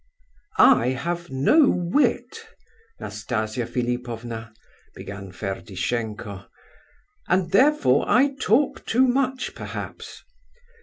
"I have no wit, Nastasia Philipovna," began Ferdishenko, "and therefore I talk too much, perhaps.